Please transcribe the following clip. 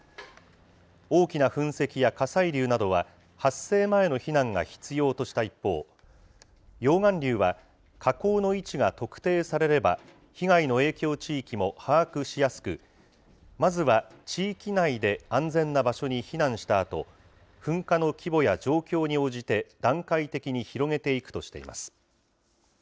大きな噴石や火砕流などは、発生前の避難が必要とした一方、溶岩流は、火口の位置が特定されれば、被害の影響地域も把握しやすく、まずは地域内で安全な場所に避難したあと、噴火の規模や状況に応じて、段階的に広げていくとしています。